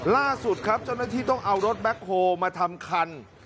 ล่าสุดครับเจ้าหน้าที่ต้องเอารถแบ็คโฮลมาทำคัน